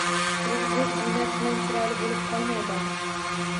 Quruq zeb-ziynat bilan chiroyli bo‘lib qolmaydi odam.